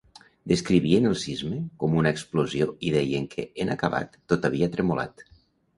Descrivien el sisme com una explosió i deien que, en acabat, tot havia tremolat.